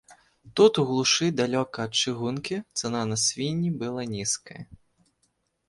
Тут у глушы, далёка ад чыгункі, цана на свінні была нізкая.